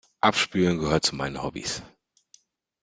Abspülen gehört zu meinen Hobbies.